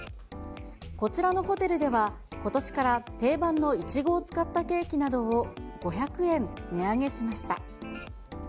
こちらのホテルでは、ことしから定番のイチゴを使ったケーキなどを５００円値上げしました。